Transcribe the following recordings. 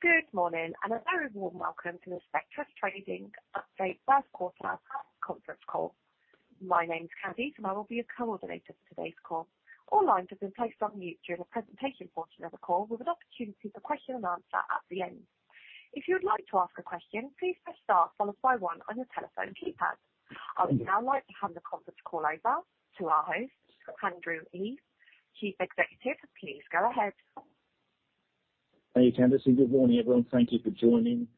Good morning. A very warm welcome to the Spectris Trading Update First Quarter Results Conference Call. My name's Candice. I will be your coordinator for today's call. All lines have been placed on mute during the presentation portion of the call with an opportunity for question and answer at the end. If you would like to ask a question, please press star followed by one on your telephone keypad. I would now like to hand the conference call over to our host, Andrew Heath, Chief Executive. Please go ahead. Thank you, Candice. Good morning, everyone. Thank you for joining.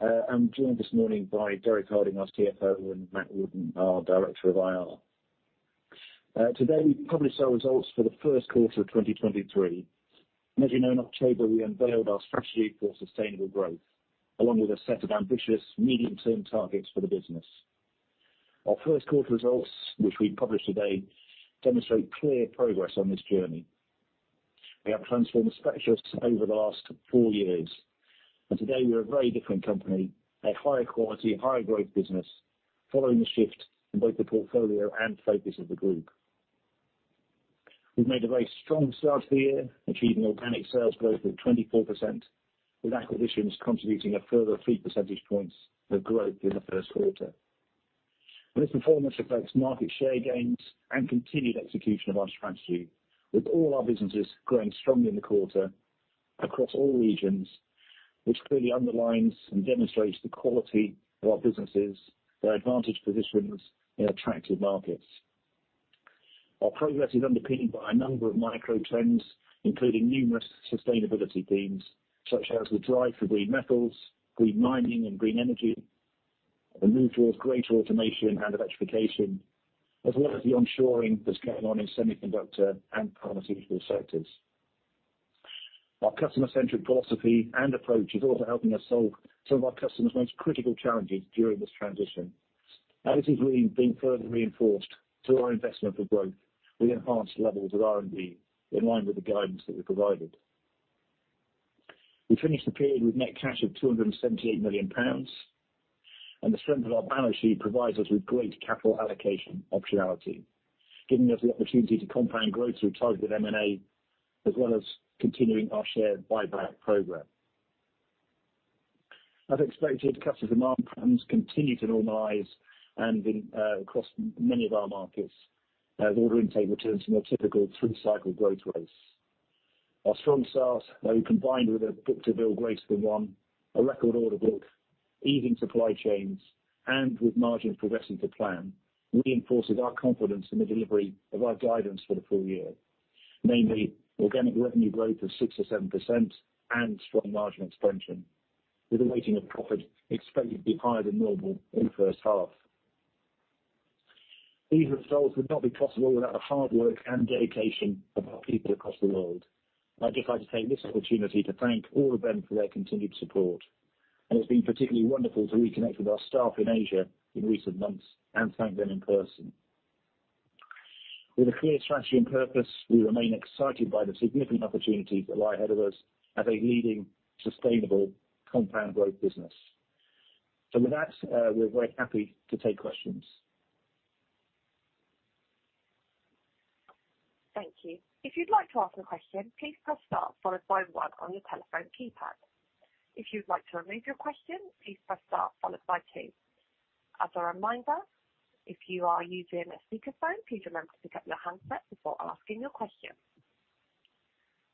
I'm joined this morning by Derek Harding, our CFO, and Mathew Wootton, our Director of IR. Today, we publish our results for the first quarter of 2023. As you know, in October, we unveiled our Strategy for Sustainable Growth, along with a set of ambitious medium-term targets for the business. Our first quarter results, which we publish today, demonstrate clear progress on this journey. We have transformed Spectris over the last four years, and today we're a very different company, a higher quality, higher growth business, following the shift in both the portfolio and focus of the group. We've made a very strong start to the year, achieving organic sales growth of 24%, with acquisitions contributing a further three percentage points of growth in the first quarter. This performance affects market share gains and continued execution of our strategy, with all our businesses growing strongly in the quarter across all regions, which clearly underlines and demonstrates the quality of our businesses, their advantage positions in attractive markets. Our progress is underpinned by a number of micro trends, including numerous sustainability themes, such as the drive for green metals, green mining and green energy, the move towards greater automation and electrification, as well as the onshoring that's going on in semiconductor and pharmaceutical sectors. Our customer-centric philosophy and approach is also helping us solve some of our customers' most critical challenges during this transition. This is really being further reinforced through our investment for growth with enhanced levels of R&D in line with the guidance that we provided. We finished the period with net cash of 278 million pounds. The strength of our balance sheet provides us with great capital allocation optionality, giving us the opportunity to compound growth through targeted M&A, as well as continuing our share buyback program. As expected, customer demand patterns continue to normalize and in, across many of our markets as order intake returns from a typical 3-cycle growth rates. Our strong start, though, combined with a book-to-bill greater than 1, a record order book, easing supply chains, and with margins progressing to plan, reinforces our confidence in the delivery of our guidance for the full year. Mainly organic revenue growth of 6%-7% and strong margin expansion, with a weighting of profit expected to be higher than normal in the first half. These results would not be possible without the hard work and dedication of our people across the world. I'd just like to take this opportunity to thank all of them for their continued support. It's been particularly wonderful to reconnect with our staff in Asia in recent months and thank them in person. With a clear strategy and purpose, we remain excited by the significant opportunities that lie ahead of us as a leading sustainable compound growth business. With that, we're very happy to take questions. Thank you. If you'd like to ask a question, please press star followed by one on your telephone keypad. If you'd like to remove your question, please press star followed by two. As a reminder, if you are using a speakerphone, please remember to pick up your handset before asking your your question.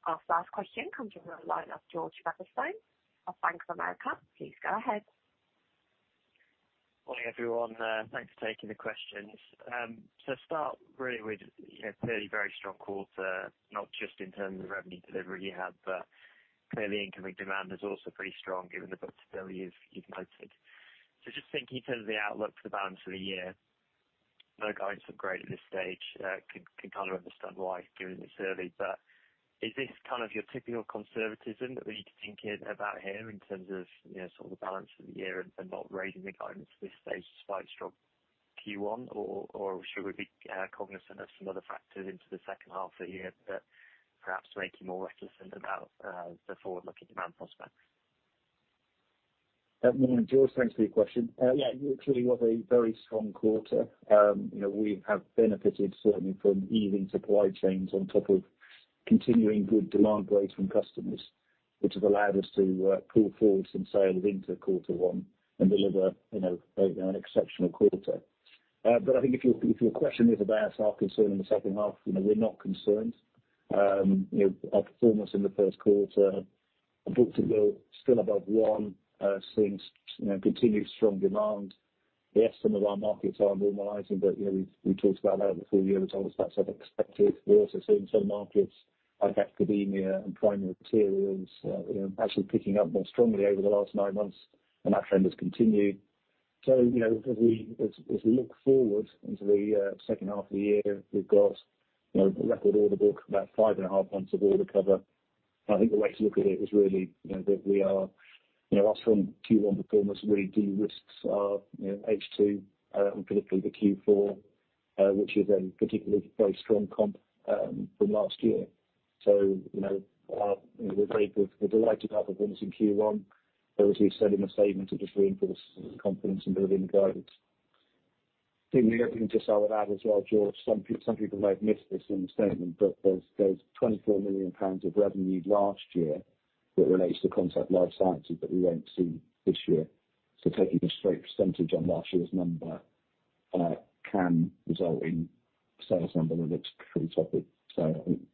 Our first question comes from the line of George Featherstone of Bank of America. Please go ahead. Morning, everyone. Thanks for taking the questions. To start really with, you know, clearly very strong quarter, not just in terms of revenue delivery you have, but clearly incoming demand is also pretty strong given the book-to-bill you've noted. Just thinking in terms of the outlook for the balance of the year, no guidance so great at this stage, can kind of understand why doing this early. Is this kind of your typical conservatism that we need to think it about here in terms of, you know, sort of the balance for the year and not raising the guidance at this stage despite strong Q1? Should we be cognizant of some other factors into the second half of the year that perhaps make you more reticent about the forward-looking demand prospects? Good morning, George. Thanks for your question. Yeah, clearly we have a very strong quarter. You know, we have benefited certainly from easing supply chains on top of continuing good demand growth from customers, which have allowed us to pull forward some sales into quarter one and deliver, you know, an exceptional quarter. I think if your question is about our concern in the second half, you know, we're not concerned. You know, our performance in the first quarter, book-to-bill still above one, continued strong demand. Yes, some of our markets are normalizing, you know, we've talked about that before. The other side is that's as expected. We're also seeing some markets like academia and primary materials, you know, actually picking up more strongly over the last nine months, and that trend has continued. you know, as we look forward into the second half of the year, we've got, you know, record order book about 5.5 months of order cover. I think the way to look at it is really, you know, that we are, you know, our strong Q1 performance really de-risks our, you know, H2, and particularly the Q4, which is a particularly very strong comp from last year. you know, we're very good. We're delighted with how things in Q1, as we said in the statement, to just reinforce confidence in delivering the guidance. I think the only thing just I would add as well, George, some people might have missed this in the statement, but there's 24 million pounds of revenue last year that relates to Concept Life Sciences that we won't see this year. Taking a straight % on last year's number can result in a sales number that looks pretty toppy.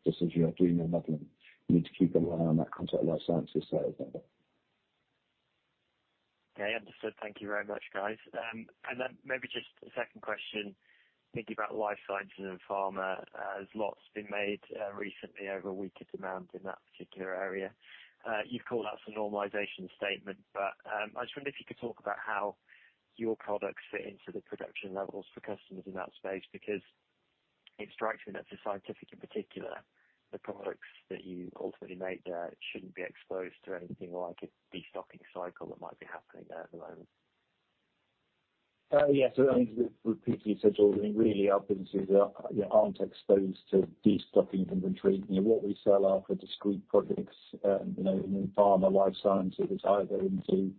Just as you are doing your modeling, you need to keep an eye on that Concept Life Sciences sales number. Okay, understood. Thank you very much, guys. Maybe just a second question, thinking about life sciences and pharma, as lots been made recently over weaker demand in that particular area. You've called out for normalization statement, I just wonder if you could talk about how your products fit into the production levels for customers in that space, because it strikes me that the scientific in particular, the products that you ultimately make there shouldn't be exposed to anything like a destocking cycle that might be happening there at the moment. Yes. I think to repeatedly say, George, I mean, really our businesses are, you know, aren't exposed to destocking inventory. You know, what we sell are for discrete projects, you know, in pharma, life sciences. It's either into, you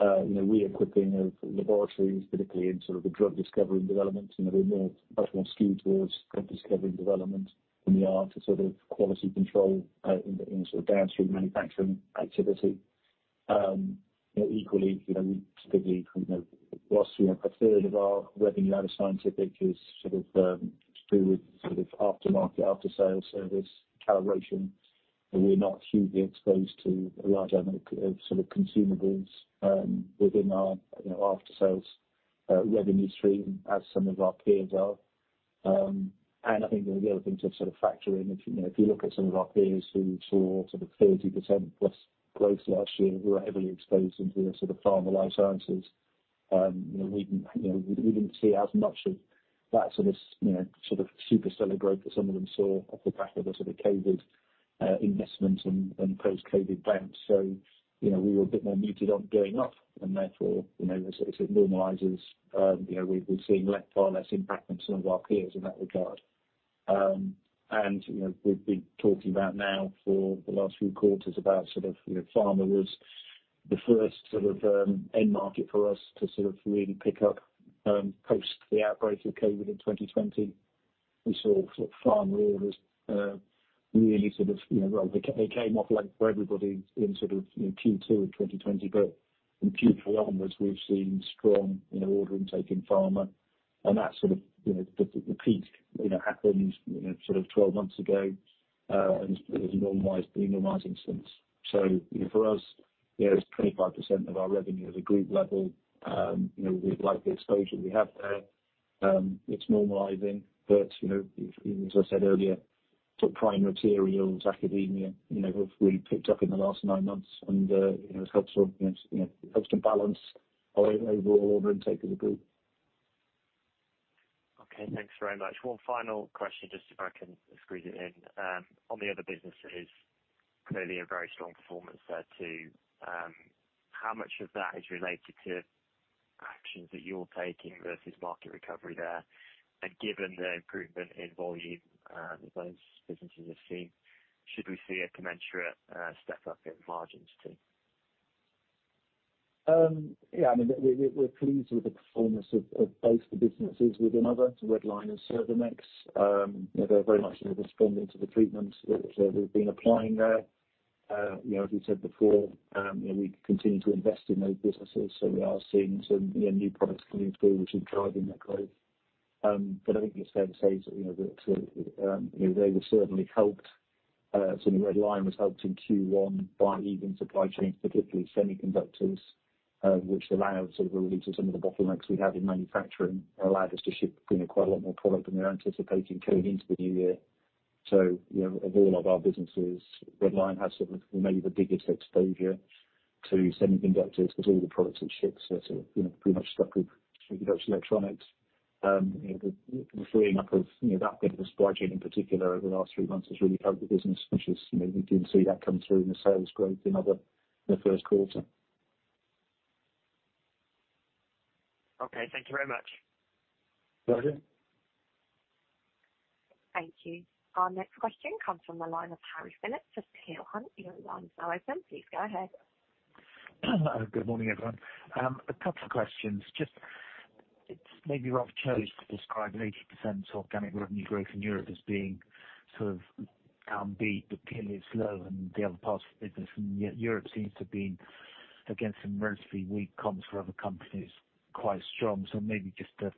know, reequipping of laboratories, particularly in sort of the drug discovery and development. You know, we're much more skewed towards drug discovery and development than we are to sort of quality control in the sort of downstream manufacturing activity. You know, equally, you know, we typically, you know, whilst we have a third of our revenue out of scientific is sort of to do with sort of aftermarket after-sale service calibration, we're not hugely exposed to a large element of sort of consumables within our, you know, after-sales revenue stream as some of our peers are. I think the other thing to sort of factor in, if you look at some of our peers who saw sort of 30% plus growth last year, who are heavily exposed into the sort of pharma, life sciences, we didn't, we didn't see as much of that sort of super stellar growth that some of them saw off the back of a sort of COVID investment and post-COVID bounce. We were a bit more muted on going up, and therefore, as it normalizes, we're seeing less, far less impact than some of our peers in that regard. You know, we've been talking about now for the last few quarters about sort of, you know, pharma was the first sort of, end market for us to sort of really pick up, post the outbreak of COVID in 2020. We saw sort of pharma orders, really sort of, you know. Well, they came off like for everybody in sort of, you know, Q2 in 2020, but in Q3 onwards, we've seen strong, you know, order intake in pharma, and that sort of, you know, the, the peak, you know, happened, you know, sort of 12 months ago, and it's normalized, been normalizing since. You know, for us, you know, it's 25% of our revenue at a group level. You know, we like the exposure we have there. It's normalizing but you know, as I said earlier, sort of prime materials, academia, you know, have really picked up in the last nine months and, you know, has helped sort of, you know, helped to balance our overall order intake as a group. Okay, thanks very much. One final question, just if I can squeeze it in. On the other businesses, clearly a very strong performance there too. How much of that is related to actions that you're taking versus market recovery there? Given the improvement in volume, those businesses have seen, should we see a commensurate, step up in margins too? Yeah, I mean, we're pleased with the performance of both the businesses within Other, so Red Lion and Servomex. You know, they're very much, you know, responding to the treatments that we've been applying there. You know, as we said before, you know, we continue to invest in those businesses. We are seeing some, you know, new products coming through which are driving that growth. I think it's fair to say that, you know, that, you know, they were certainly helped. The Red Lion was helped in Q1 by easing supply chains, particularly semiconductors, which allowed sort of a release of some of the bottlenecks we had in manufacturing, allowed us to ship, you know, quite a lot more product than we were anticipating coming into the new year. You know, of all of our businesses, Red Lion has sort of maybe the biggest exposure to semiconductors because all the products it ships are sort of, you know, pretty much stuck with those electronics. You know, the freeing up of, you know, that bit of the supply chain in particular over the last three months has really helped the business, which is, you know, we didn't see that come through in the sales growth in Other in the first quarter. Okay. Thank you very much. Pleasure. Thank you. Our next question comes from the line of Harry Philips of Peel Hunt. Your line's now open. Please go ahead. Good morning, everyone. A couple of questions. Just it's maybe rough choice to describe 80% organic revenue growth in Europe as being sort of downbeat, but clearly it's low in the other parts of the business, and yet Europe seems to have been, against some relatively weak comps for other companies, quite strong. Maybe just a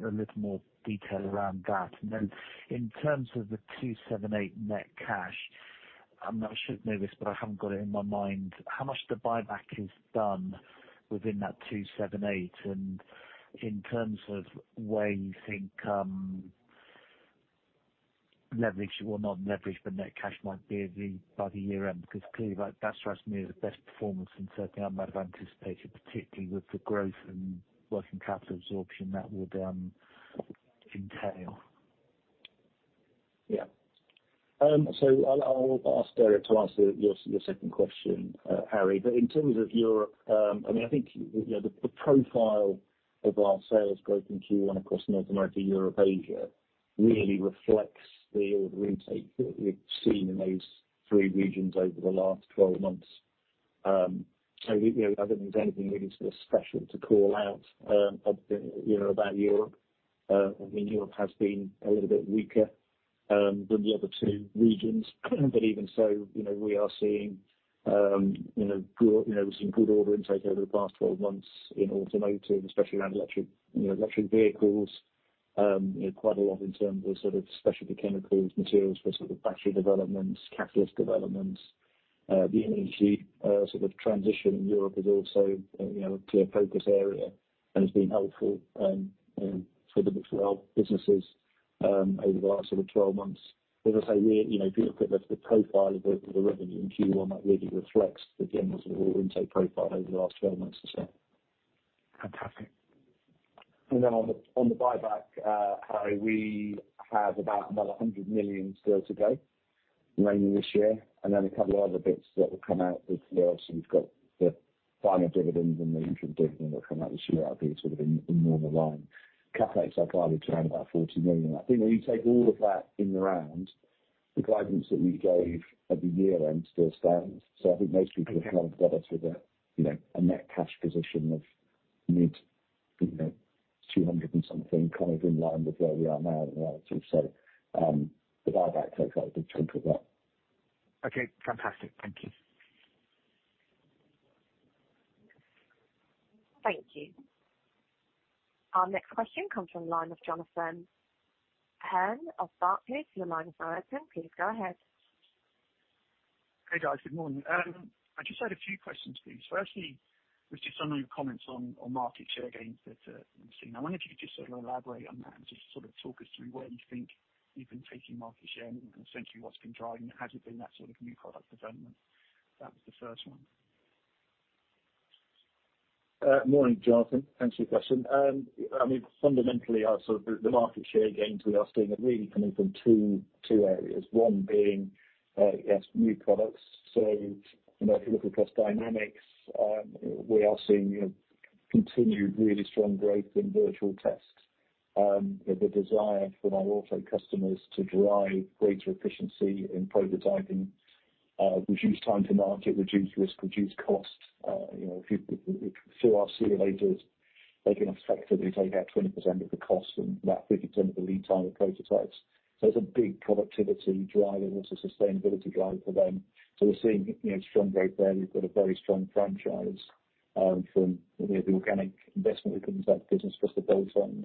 little more detail around that. In terms of the 278 net cash, I know I should know this, but I haven't got it in my mind how much the buyback is done within that 278, and in terms of where you think, leverage or not leverage the net cash might be by the year end, because clearly that strikes me as the best performance than certainly I might have anticipated, particularly with the growth in working capital absorption that would, entail. I'll ask Derek to answer your second question. Harry, in terms of Europe, I mean, I think, you know, the profile of our sales growth in Q1 across North America, Europe, Asia really reflects the order intake that we've seen in those three regions over the last 12 months. We, you know, I don't think there's anything really sort of special to call out, you know, about Europe. I mean, Europe has been a little bit weaker than the other two regions. Even so, you know, we are seeing, you know, good, you know, some good order intake over the past 12 months in automotive, especially around electric, you know, electric vehicles. You know, quite a lot in terms of sort of specialty chemicals, materials for sort of battery developments, catalyst developments. The energy, sort of transition in Europe is also, you know, a clear focus area and has been helpful, you know, for the, for our businesses, over the last sort of 12 months. As I say, we're, you know, if you look at the profile of the revenue in Q1, that really reflects the general sort of order intake profile over the last 12 months or so. Fantastic. On the buyback, Harry, we have about another 100 million still to go remaining this year. A couple of other bits that will come out this year. We've got the final dividends and the interim dividend that will come out this year. That'll be sort of in normal line. CapEx are guided to around about 40 million. I think when you take all of that in the round, the guidance that we gave at the year-end still stands. I think most people have kind of got us with a, you know, a net cash position of mid, you know, 200 and something, kind of in line with where we are now in reality. The buyback takes up a big chunk of that. Okay, fantastic. Thank you. Thank you. Our next question comes from the line of Jonathan Pan of Barclays. Your line is now open. Please go ahead. Hey, guys. Good morning. I just had a few questions, please. Firstly, just some of your comments on market share gains that we've seen. I wonder if you could just sort of elaborate on that and just sort of talk us through where you think you've been taking market share and essentially what's been driving it. Has it been that sort of new product development? That was the first one. Morning, Jonathan. Thanks for your question. I mean, fundamentally our sort of the market share gains we are seeing are really coming from two areas. One being, yes, new products. You know, if you look across Dynamics, we are seeing, you know, continued really strong growth in virtual tests. The desire for our auto customers to drive greater efficiency in prototyping, reduce time to market, reduce risk, reduce cost. You know, if you are simulator, they can effectively take out 20% of the cost and about 50% of the lead time of prototypes. It's a big productivity driver and also sustainability driver for them. We're seeing, you know, strong growth there. We've got a very strong franchise, from, you know, the organic investment we put in that business for us to build on.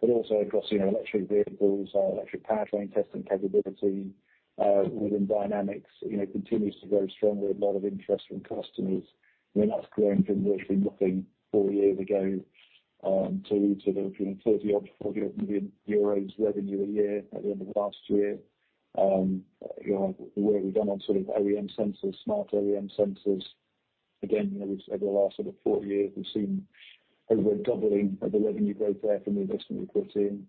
Also across, you know, electric vehicles, our electric powertrain testing capability within Dynamics, you know, continues to grow strongly. A lot of interest from customers. I mean, that's grown from virtually nothing 4 years ago to the 30 million-40 million euros revenue a year at the end of last year. You know, the work we've done on sort of OEM sensors, smart OEM sensors. Again, you know, over the last sort of 4 years, we've seen over doubling of the revenue growth there from the investment we put in.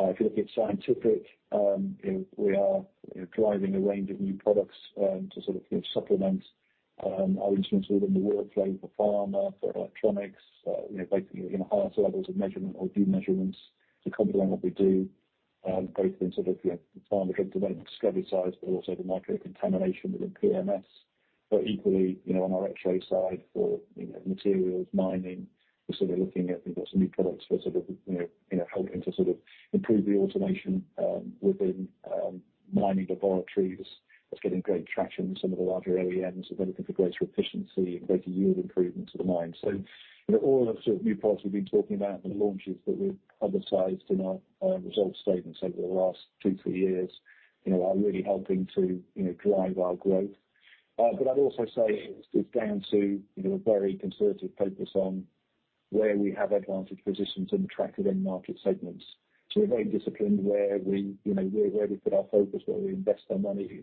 If you look at scientific, you know, we are, you know, driving a range of new products to sort of supplement our instruments within the workplace for pharma, for electronics. You know, basically enhanced levels of measurement or new measurements to complement what we do, both in sort of, you know, the pharma drug development discovery side, but also the micro contamination within PMS. Equally, you know, on our X-ray side for, you know, materials, mining, we're sort of looking at, we've got some new products for sort of, you know, helping to sort of improve the automation within mining laboratories. That's getting great traction with some of the larger OEMs. They're looking for greater efficiency and greater yield improvements for the mine. You know, all the sort of new products we've been talking about and the launches that we've publicized in our results statements over the last two, three years, you know, are really helping to, you know, drive our growth. I'd also say it's down to, you know, a very conservative focus on where we have advantage positions in attractive end market segments. We're very disciplined where we, you know, where we put our focus, where we invest our money,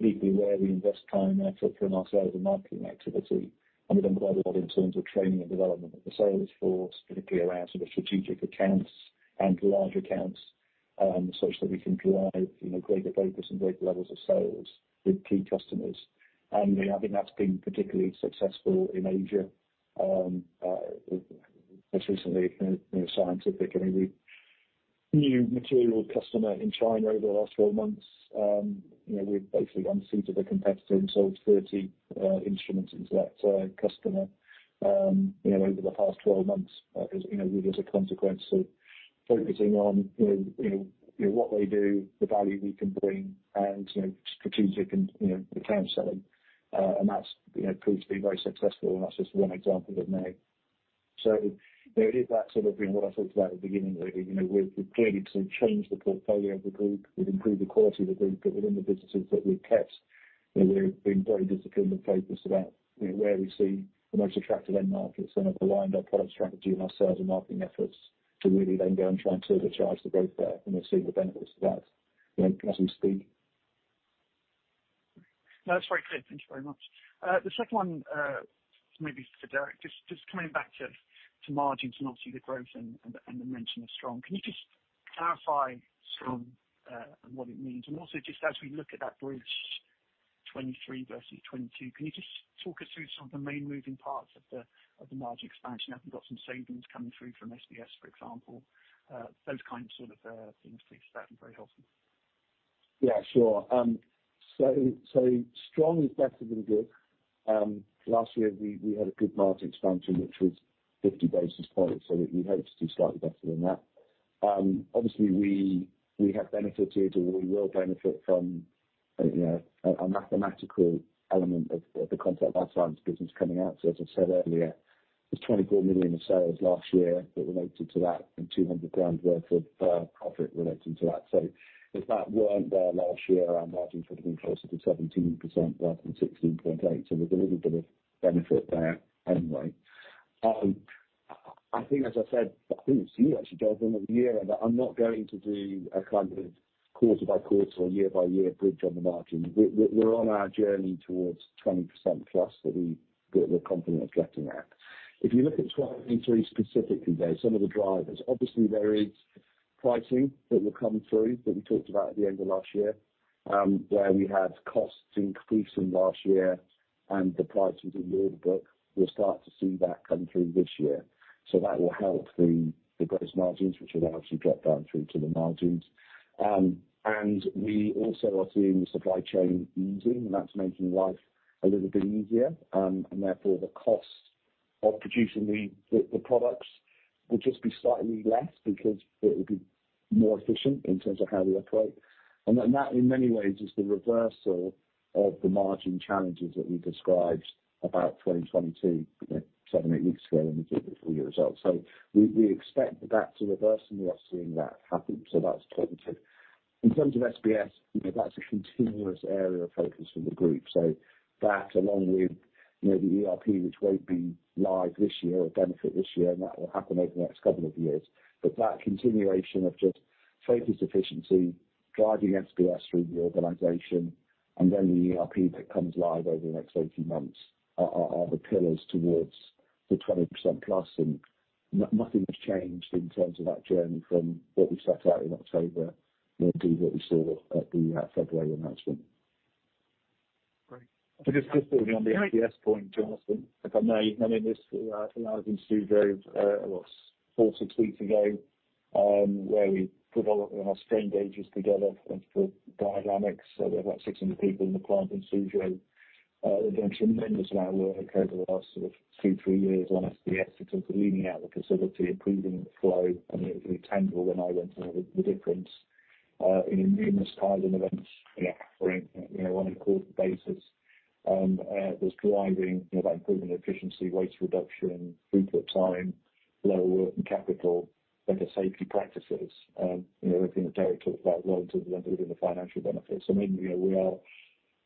equally where we invest time and effort from our sales and marketing activity. We've done quite a lot in terms of training and development of the sales force, particularly around sort of strategic accounts and large accounts, such that we can drive, you know, greater focus and greater levels of sales with key customers. You know, I think that's been particularly successful in Asia. Just recently in scientific, I mean, new material customer in China over the last 12 months. You know, we've basically unseated a competitor and sold 30 instruments into that customer, you know, over the past 12 months. You know, really as a consequence of focusing on, you know, what they do, the value we can bring, and, you know, strategic and, you know, account selling. That's, you know, proved to be very successful, and that's just one example of many. You know, it is that sort of, you know, what I talked about at the beginning, really. You know, we've clearly sort of changed the portfolio of the group. We've improved the quality of the group. Within the businesses that we've kept, you know, we've been very disciplined and focused about, you know, where we see the most attractive end markets and have aligned our product strategy and our sales and marketing efforts to really then go and try and turbocharge the growth there. We've seen the benefits of that, you know, as we speak. No, that's very clear. Thank you very much. The second one, maybe for Derek, just coming back to margins and obviously the growth and the mention of strong. Can you just clarify strong and what it means? Also just as we look at that bridge 2023 versus 2022, can you just talk us through some of the main moving parts of the margin expansion? Have you got some savings coming through from SBS, for example? Those kind of sort of things please. That'd be very helpful. Sure. Strong is better than good. Last year we had a good margin expansion, which was 50 basis points, so we hope to do slightly better than that. Obviously we have benefited, or we will benefit from, you know, a mathematical element of the Concept Life Sciences business coming out. As I said earlier, there's 24 million in sales last year that related to that and 200,000 pounds worth of profit relating to that. If that weren't there last year, our margins would have been closer to 17% rather than 16.8%. There's a little bit of benefit there anyway. I think as I said, I think it was you actually, Jonathan, at the year end. I'm not going to do a kind of quarter by quarter or year by year bridge on the margin. We're on our journey towards 20%+ that we're confident of getting at. If you look at 2023 specifically though, some of the drivers, obviously there is pricing that will come through that we talked about at the end of last year, where we had costs increasing last year and the prices are yield. We'll start to see that come through this year. That will help the gross margins, which will actually drop down through to the margins. We also are seeing the supply chain easing, that's making life a little bit easier, therefore the costs of producing the products will just be slightly less because it'll be more efficient in terms of how we operate. That in many ways is the reversal of the margin challenges that we described about 2022, you know, seven, eight weeks ago when we did the full year results. We expect that to reverse, and we are seeing that happen. That's positive. In terms of SBS, you know, that's a continuous area of focus for the group. That along with, you know, the ERP, which won't be live this year or benefit this year, and that will happen over the next couple of years. that continuation of just focus efficiency, driving SBS through the organization and then the ERP that comes live over the next 18 months are the pillars towards the 20%+. Nothing's changed in terms of that journey from what we set out in October nor to what we saw at the February announcement. Great. Just building on the SBS point, Jonathan, if I may, I mean, this allows in Suzhou, what, 4, 6 weeks ago, where we put all our strain gauges together and for dynamics. We have about 600 people in the plant in Suzhou. They've done tremendous amount of work over the last sort of 2, 3 years on SBS in terms of leaning out the facility, improving the flow. I mean, it was tangible when I went and the difference in numerous Kaizen events, you know, occurring, you know, on a quarterly basis, was driving, you know, that improvement efficiency, waste reduction, throughput time, lower working capital, better safety practices. You know, everything that Derek talked about relative then delivering the financial benefits. I mean, you know, we are,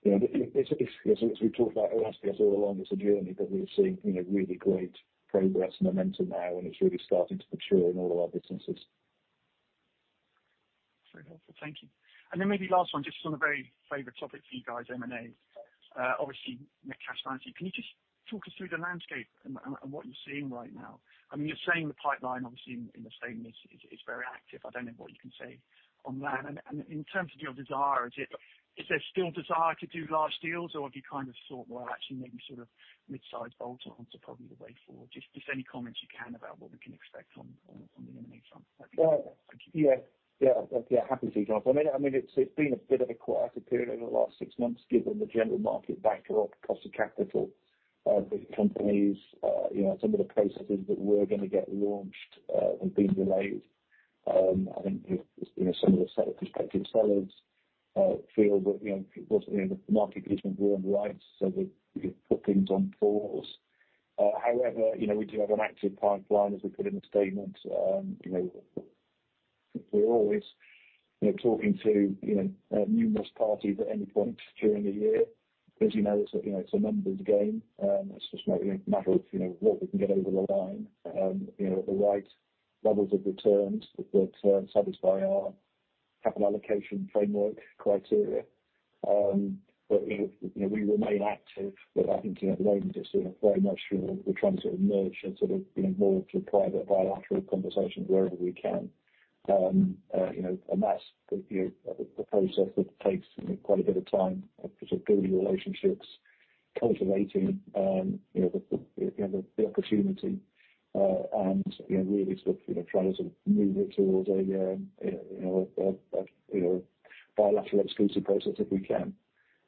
you know, it's as we've talked about SBS all along, it's a journey, but we've seen, you know, really great progress and momentum now and it's really starting to mature in all of our businesses. Very helpful, thank you. Maybe last one, just on a very favorite topic for you guys, M&A, obviously net cash flow. Can you just talk us through the landscape and what you're seeing right now? I mean, you're saying the pipeline obviously in the statement is very active. I don't know what you can say on that. In terms of your desire, is there still desire to do large deals or have you kind of thought, well, actually maybe sort of mid-size bolt-ons are probably the way forward? Any comments you can about what we can expect on the M&A front? Yeah, yeah, happy to. I mean, it's been a bit of a quieter period over the last six months given the general market backdrop, cost of capital, with companies, you know, some of the processes that were gonna get launched, have been delayed. I think, you know, some of the prospective sellers, feel that, you know, people, you know, the market isn't green lights, so we put things on pause. However, you know, we do have an active pipeline, as we put in the statement. You know, we're always, you know, talking to, you know, numerous parties at any point during the year. As you know, it's, you know, it's a numbers game. It's just maybe a matter of, you know, what we can get over the line, you know, at the right levels of returns that satisfy our capital allocation framework criteria. I think, you know, we remain active. I think, you know, at the moment it's sort of very much, you know, we're trying to sort of merge and sort of, you know, more to private bilateral conversations wherever we can. That's the process that takes, you know, quite a bit of time of sort of building relationships, cultivating, you know, the, you know, the opportunity, and, you know, really sort of, you know, trying to sort of move it towards a, you know, a, you know, bilateral exclusive process if we can.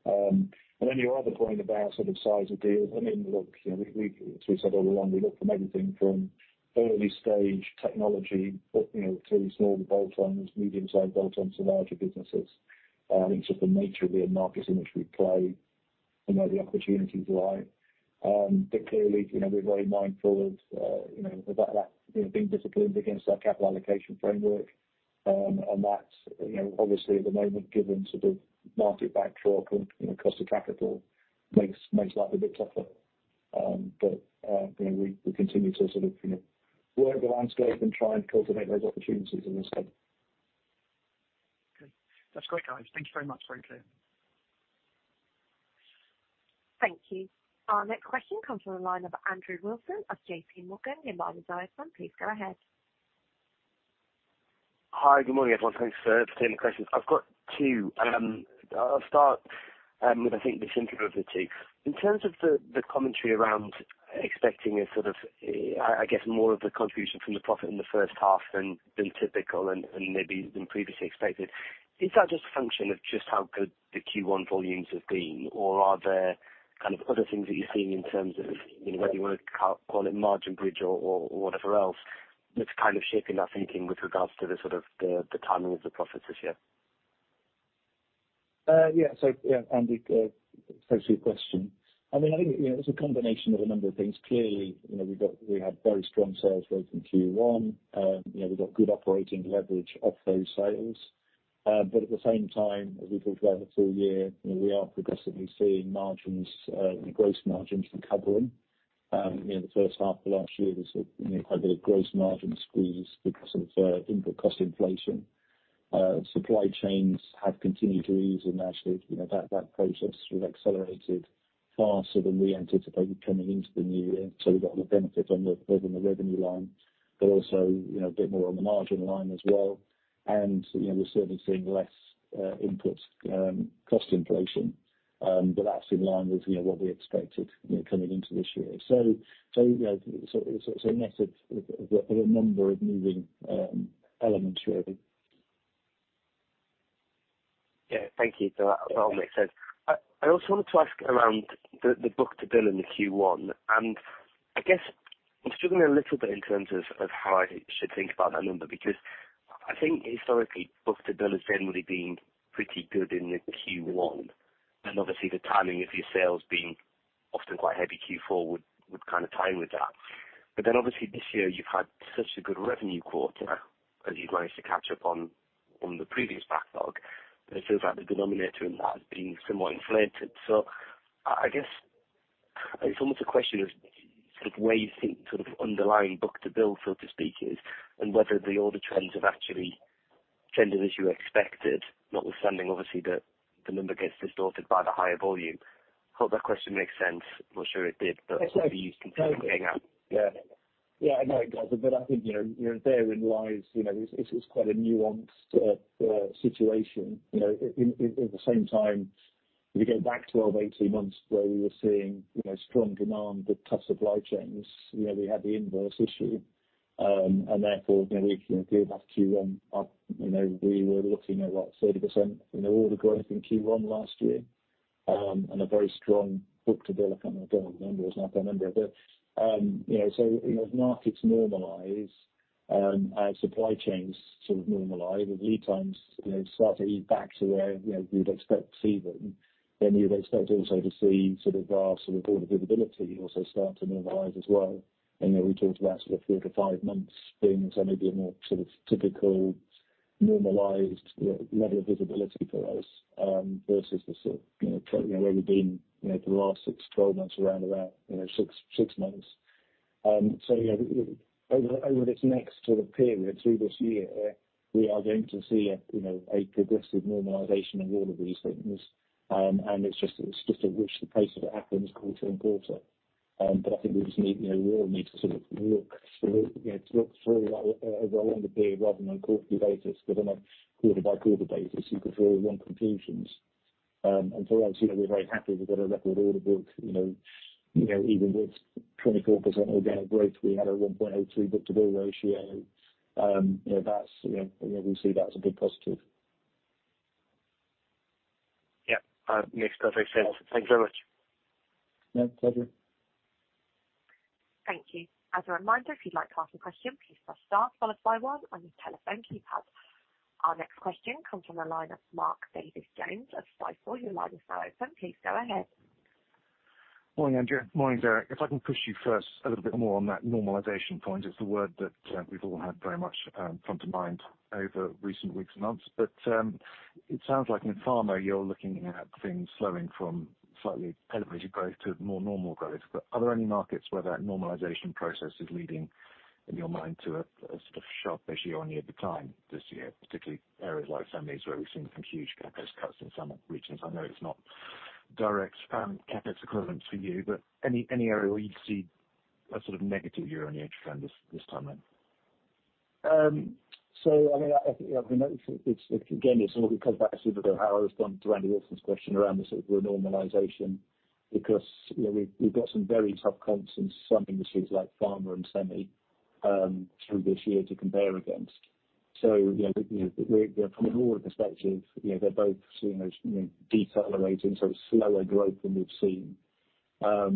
Then your other point about sort of size of deals, I mean, look, you know, we, as we said all along, we look from everything from early stage technology, but, you know, to small bolt-ons, medium-sized bolt-ons to larger businesses, in sort of the nature of the markets in which we play, you know, the opportunities lie. Clearly, you know, we're very mindful of, you know, that, you know, being disciplined against our capital allocation framework. That's, you know, obviously at the moment, given sort of market backdrop and, you know, cost of capital makes life a bit tougher. You know, we continue to sort of, you know, work the landscape and try and cultivate those opportunities in this space. Okay. That's great, guys. Thank you very much. Very clear. Thank you. Our next question comes from the line of Andrew Wilson of JPMorgan. You're unmuted. Please go ahead. Hi. Good morning, everyone. Thanks for taking the questions. I've got 2. I'll start with I think the sympathy of the two. In terms of the commentary around expecting a sort of, I guess more of the contribution from the profit in the first half than typical and maybe than previously expected. Is that just a function of just how good the Q1 volumes have been? Or are there kind of other things that you're seeing in terms of, you know, whether you want to call it margin bridge or whatever else, that's kind of shaping that thinking with regards to the sort of the timing of the profits this year? Yeah, Andy, thanks for your question. I mean, I think, you know, it's a combination of a number of things. Clearly, you know, we had very strong sales growth in Q1. You know, we got good operating leverage off those sales. But at the same time, as we talked about the full year, you know, we are progressively seeing margins, gross margins recovering. You know, the first half of last year was a, you know, quite a bit of gross margin squeeze because of input cost inflation. Supply chains have continued to ease, and actually, you know, that process sort of accelerated faster than we anticipated coming into the new year. We got the benefit on the, both on the revenue line, but also, you know, a bit more on the margin line as well. You know, we're certainly seeing less, input, cost inflation, but that's in line with, you know, what we expected, you know, coming into this year. you know, so a mix of a number of moving, elements really. Yeah. Thank you for that. That all makes sense. I also wanted to ask around the book-to-bill in the Q1. I guess I'm struggling a little bit in terms of how I should think about that number, because I think historically, book-to-bill has generally been pretty good in the Q1, and obviously the timing of your sales being often quite heavy Q4 would kind of tie in with that. Obviously this year you've had such a good revenue quarter, as you've managed to catch up on the previous backlog, but it feels like the denominator in that has been somewhat inflated. I guess it's almost a question of sort of where you think sort of underlying book-to-bill, so to speak, is, and whether the order trends have actually tended as you expected, notwithstanding obviously the number gets distorted by the higher volume. Hope that question makes sense. Not sure it did, but. No. Hope you can sort of ping out. Yeah. Yeah, no, it does. I think, you know, you know, therein lies, you know, this is quite a nuanced situation, you know. At the same time, if you go back 12, 18 months where we were seeing, you know, strong demand, but tough supply chains, you know, we had the inverse issue. Therefore, you know, if you include that Q1 up, you know, we were looking at, what, 30% in order growth in Q1 last year, and a very strong book-to-bill. I can't remember. I don't exactly remember. You know, so, you know, as markets normalize, as supply chains sort of normalize, and lead times, you know, start to ease back to where, you know, you'd expect to see them, then you'd expect also to see sort of our sort of order visibility also start to normalize as well. You know, we talked about sort of 3 to 5 months being sort of maybe a more sort of typical normalized level of visibility for us, versus the sort of, you know, probably where we've been, you know, for the last 6 to 12 months around about, you know, 6 months. You know, over this next sort of period through this year, we are going to see a, you know, a progressive normalization in all of these things. It's just, it's just a question of how quickly it happens quarter on quarter. I think we just need, you know, we all need to sort of look through, you know, to look through over a longer period rather than on quarterly basis, because on a quarter-by-quarter basis, you could draw wrong conclusions. For us, you know, we're very happy we've got a record order book, you know. Even with 24% organic growth, we had a 1.02 book-to-bill ratio. You know, that's, you know, we see that as a big positive. Yeah. That makes perfect sense. Thank you very much. Yeah. Pleasure. Thank you. As a reminder, if you'd like to ask a question, please press star followed by one on your telephone keypad. Our next question comes from the line of Mark Davies-Jones of Jefferies. Your line is now open. Please go ahead. Morning, Andrew. Morning, Derek. If I can push you first a little bit more on that normalization point. It's the word that we've all had very much front of mind over recent weeks and months. It sounds like in pharma you're looking at things slowing from slightly elevated growth to more normal growth. Are there any markets where that normalization process is leading, in your mind, to a sort of sharp year-on-year decline this year, particularly areas like semis where we've seen some huge CapEx cuts in some regions? I know it's not direct CapEx equivalent for you, but any area where you see a sort of negative year-on-year trend this time then? I mean, I think, you know, it's again, it sort of comes back to the, how I responded to Andrew Wilson's question around the sort of normalization. Because, you know, we've got some very tough comps in some industries like pharma and semi through this year to compare against. You know, from an order perspective, you know, they're both seeing those, you know, decelerating, so slower growth than we've seen. But,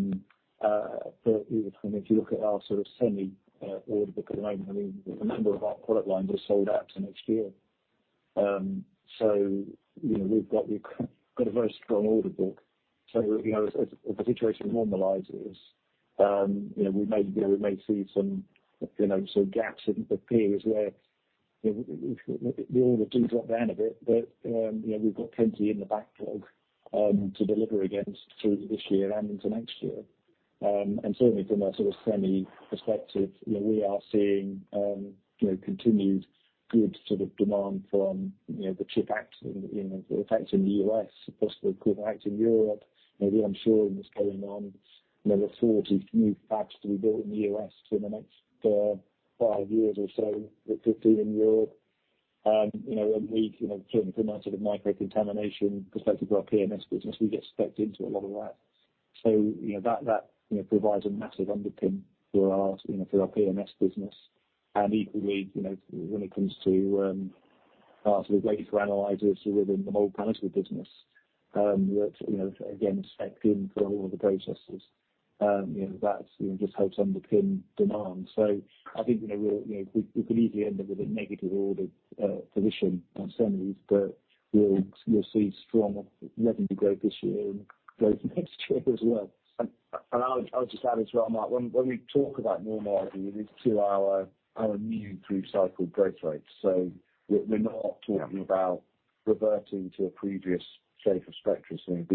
you know, if you look at our sort of semi order book at the moment, I mean, a number of our product lines are sold out to next year. You know, we've got a very strong order book. you know, as the situation normalizes, we may see some gaps in the periods where the orders do drop down a bit. you know, we've got plenty in the backlog to deliver against through this year and into next year. And certainly from a sort of semi perspective, you know, we are seeing continued good sort of demand from the CHIPS Act in the effects in the U.S., plus the CHIPS Act in Europe. You know, the ensuring that's going on. You know, there's 40 new fabs to be built in the U.S. within the next five years or so, with 15 in Europe. You know, we, you know, clearly from our sort of micro contamination perspective for our PMS business, we get stepped into a lot of that. You know, that, you know, provides a massive underpin for our, you know, for our PMS business. Equally, you know, when it comes to our sort of laser analyzers, sort of in the mold panel business, that, you know, again, spec in for all the processes, you know, that's, you know, just helps underpin demand. I think, you know, we're, you know, we could easily end up with a negative order position on semis, but we'll see strong revenue growth this year and growth next year as well. I would just add as well, Mark Davies-Jones, when we talk about normalizing related to our new through cycle growth rates. We're not talking about reverting to a previous shape of Spectris. You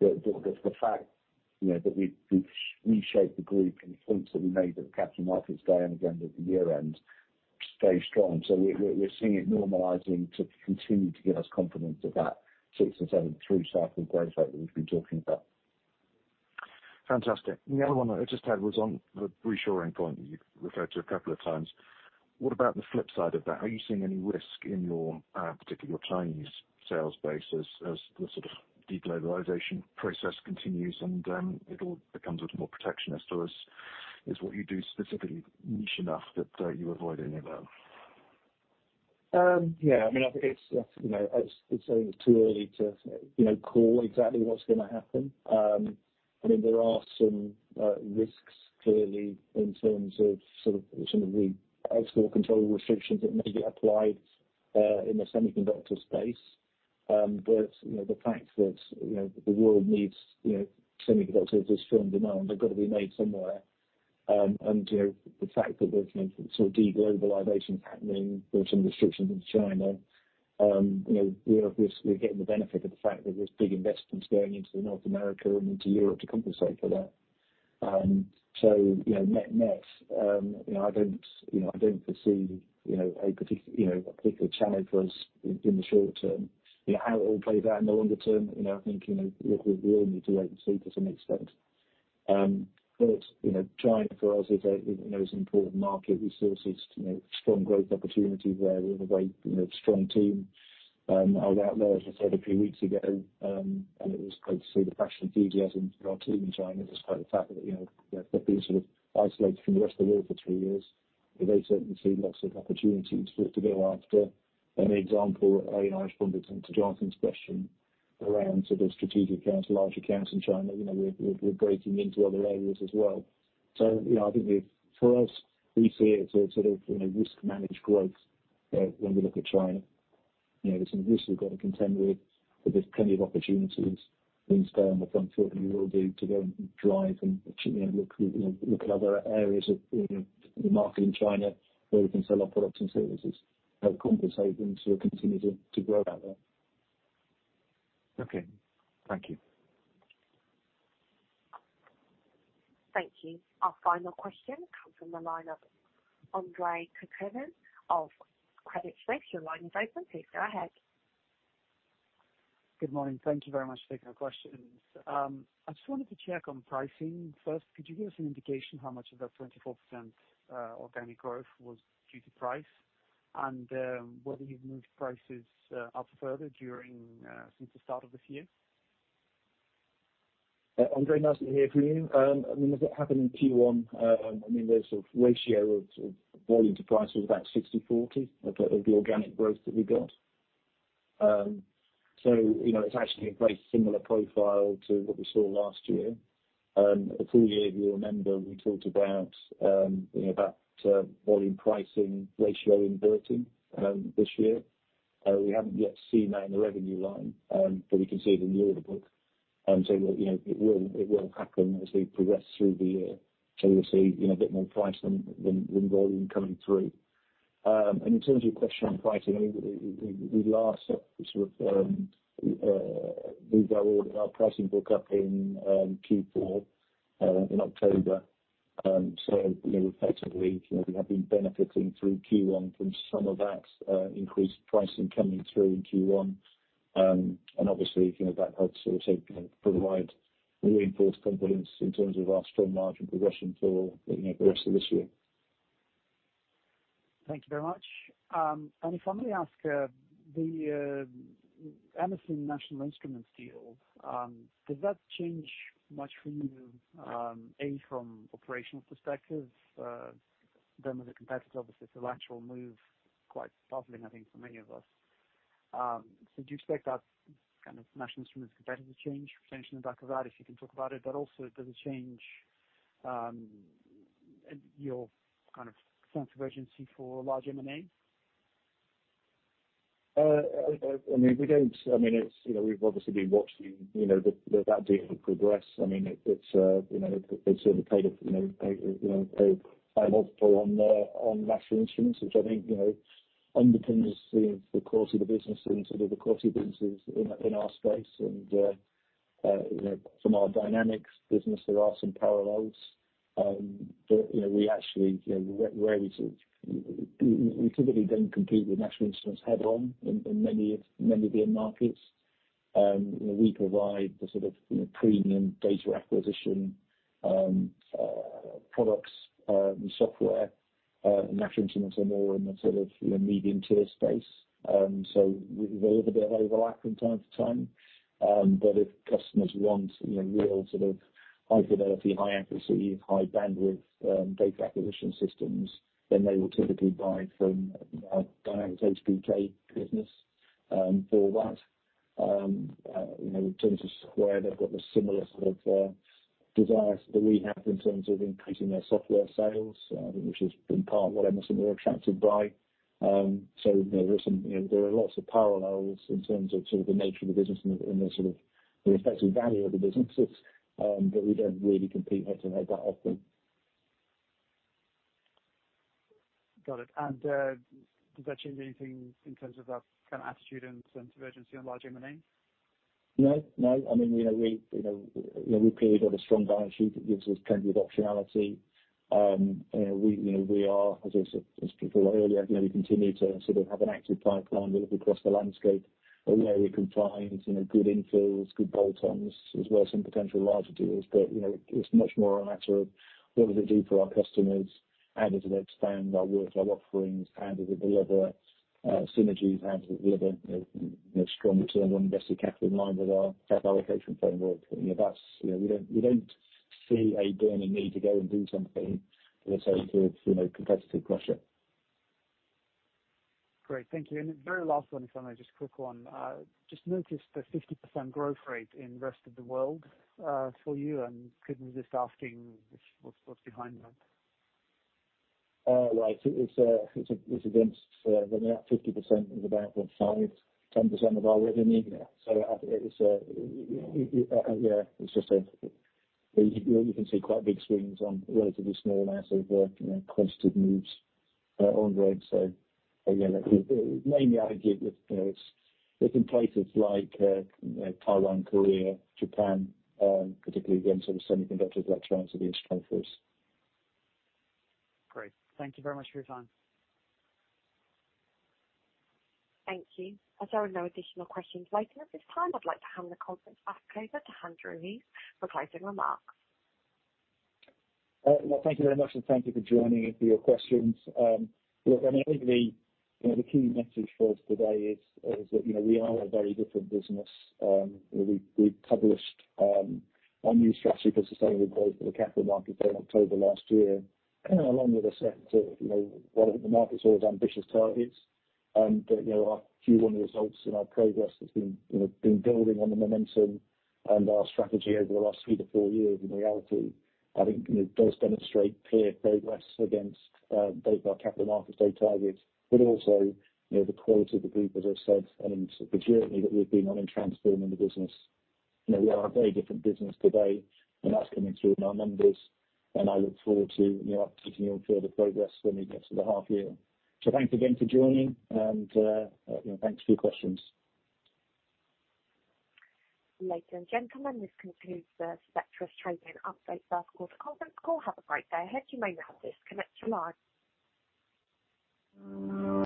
know, the fact, you know, that we've reshaped the group and the points that we made at the Capital Markets Day and again at the year end, stay strong. We're seeing it normalizing to continue to give us confidence of that 6% or 7% through cycle growth rate that we've been talking about. Fantastic. The other one I just had was on the reshoring point that you've referred to a couple of times. What about the flip side of that? Are you seeing any risk in your particularly your Chinese sales base as the sort of de-globalization process continues and, it all becomes a little more protectionist, or is what you do specifically niche enough that you avoid any of that? Yeah, I mean, it's, you know, it's only too early to, you know, call exactly what's gonna happen. I mean, there are some risks clearly in terms of sort of the export control restrictions that may be applied in the semiconductor space. You know, the fact that, you know, the world needs, you know, semiconductors is firm demand. They've gotta be made somewhere. You know, the fact that there's sort of de-globalization happening, there are some restrictions in China, you know, we obviously are getting the benefit of the fact that there's big investments going into North America and into Europe to compensate for that. You know, net, you know, I don't, you know, I don't foresee, you know, a particular challenge for us in the short term. You know, how it all plays out in the longer term, you know, I think, you know, look, we all need to wait and see to some extent. You know, China for us is a, you know, is an important market. Resources, you know, strong growth opportunity there. We have a great, you know, strong team out there, as I said a few weeks ago. It was great to see the passion and enthusiasm for our team in China, despite the fact that, you know, they've been sort of isolated from the rest of the world for 2 years, but they certainly see lots of opportunities for it to go after. The example, you know, I responded to Jonathan's question around sort of strategic accounts, large accounts in China. You know, we're breaking into other areas as well. You know, I think for us, we see it as sort of, you know, risk managed growth when we look at China. There's some risks we've got to contend with, but there's plenty of opportunities things go on the front foot, and we will do to go and drive and, you know, look, you know, look at other areas of, you know, the market in China where we can sell our products and services. Help compensate and sort of continue to grow out there. Okay. Thank you. Thank you. Our final question comes from the line of Andre Kukhnin of Credit Suisse. Your line is open. Please go ahead. Good morning. Thank you very much for taking our questions. I just wanted to check on pricing first. Could you give us an indication how much of that 24% organic growth was due to price? Whether you've moved prices up further during since the start of this year? Andre, nice to hear from you. I mean, as it happened in Q1, I mean, the sort of ratio of volume to price was about 60/40 of the, of the organic growth that we got. You know, it's actually a very similar profile to what we saw last year. The full year, if you remember, we talked about, you know, about volume pricing ratio inverting this year. We haven't yet seen that in the revenue line, but we can see it in the order book. You know, it will, it will happen as we progress through the year. You'll see, you know, a bit more price than volume coming through. In terms of your question on pricing, I mean, we last sort of moved our order, our pricing book up in Q4 in October. You know, effectively, you know, we have been benefiting through Q1 from some of that increased pricing coming through in Q1. Obviously, you know, that helps sort of, you know, provide reinforced confidence in terms of our strong margin progression for, you know, the rest of this year. Thank you very much. If I may ask, the Emerson National Instruments deal, does that change much for you, a from operational perspective, them as a competitor, obviously it's an actual move, quite puzzling, I think, for many of us. Do you expect that kind of National Instruments competitive change potentially on the back of that, if you can talk about it, but also does it change your kind of sense of urgency for large M&A? I mean, it's, you know, we've obviously been watching, you know, the, that deal progress. I mean, it's, you know, they've sort of paid a, you know, paid high multiple on National Instruments, which I think, you know, underpins the quality of the business and sort of the quality of businesses in our space and, you know, from our Dynamics business, there are some parallels. You know, we actually, you know, we're able to. We typically don't compete with National Instruments head on in many of their markets. We provide the sort of, you know, premium data acquisition, products, and software. National Instruments are more in the sort of, you know, medium tier space. We have a little bit of overlap from time to time. If customers want, you know, real sort of high fidelity, high accuracy, high bandwidth, data acquisition systems, then they will typically buy from our Dynamics HBK business for that. You know, in terms of Square, they've got the similar sort of desires that we have in terms of increasing their software sales, which has been part what Emerson were attracted by. There are some, you know, there are lots of parallels in terms of sort of the nature of the business and the effective value of the businesses. We don't really compete head-to-head that often. Got it. Does that change anything in terms of that kind of attitude and sense of urgency on large M&A? No, no. I mean, you know, we, you know, we clearly have a strong balance sheet that gives us plenty of optionality. You know, we, you know, we are, as I said, as people earlier, you know, we continue to sort of have an active pipeline. We look across the landscape where we can find, you know, good infills, good bolt-ons, as well as some potential larger deals. You know, it's much more a matter of what does it do for our customers? How does it expand our work, our offerings? How does it deliver synergies? How does it deliver, you know, strong return on invested capital in line with our capital allocation framework? You know, that's, you know, we don't see a burning need to go and do something, let's say to, you know, competitive pressure. Great. Thank you. Very last one, if I may, just quick one. Just noticed the 50% growth rate in rest of the world, for you and couldn't resist asking what's behind that? Right. It's, it's against the net 50% is about 0.5, 10% of our revenue. Yeah, it's just. You can see quite big swings on relatively small amounts of, you know, quantitative moves on roads. Again, mainly I would give, you know, it's in places like Taiwan, Korea, Japan, particularly again, sort of semiconductors, electronics and instrument first. Great. Thank you very much for your time. Thank you. As there are no additional questions waiting at this time, I'd like to hand the conference back over to Andrew Heath for closing remarks. Well, thank you very much, and thank you for joining and for your questions. Look, I mean, I think the, you know, the key message for us today is that, you know, we are a very different business. You know, we published our new strategy for sustainable growth for the Capital Markets Day in October last year. Along with a set of, you know, what I think the market saw as ambitious targets, but you know, our Q1 results and our progress has been, you know, been building on the momentum and our strategy over the last 3-4 years. In reality, I think, you know, does demonstrate clear progress against both our Capital Markets Day targets, but also, you know, the quality of the group, as I've said, and the journey that we've been on in transforming the business. You know, we are a very different business today, that's coming through in our numbers, and I look forward to, you know, updating you on further progress when we get to the half year. Thanks again for joining and, you know, thanks for your questions. Ladies and gentlemen, this concludes the Spectris Trading Update Financial Results Conference Call. Have a great day. At this moment disconnect your lines.